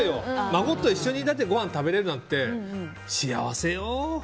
孫と一緒にごはんが食べられるなんて幸せよ。